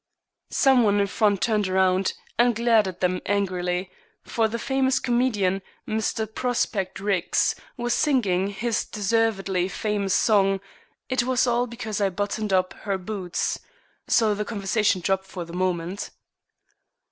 Some one in front turned round and glared at them angrily, for the famous comedian, Mr. Prospect Ricks, was singing his deservedly famous song, "It was all because I buttoned up her boots," so the conversation dropped for the moment.